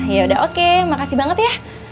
yaudah oke makasih banget ya